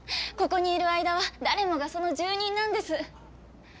ここにいる間は誰もがその住人なんです。